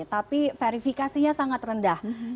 tapi verifikasinya sangat rendah